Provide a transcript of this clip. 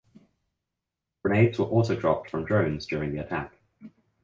Grenades were also dropped from drones during the attack.